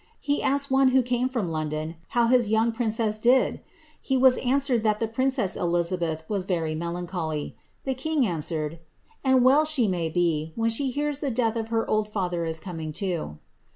He asked one who came fron London how his young princess did ? He was answered that the prin cess Eliaabeth was very melancholy. The king answered, *Aod well she may be, when she hears the death her old father is coming to.'